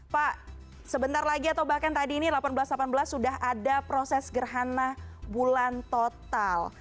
pak sebentar lagi atau bahkan tadi ini delapan belas delapan belas sudah ada proses gerhana bulan total